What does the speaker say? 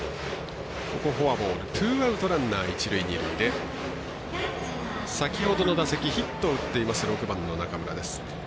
フォアボール、ツーアウトランナー、一塁二塁で先ほどの打席ヒットを打っている６番の中村です。